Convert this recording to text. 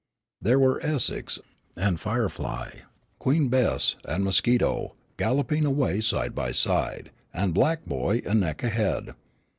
There were Essex and Firefly, Queen Bess and Mosquito, galloping away side by side, and Black Boy a neck ahead.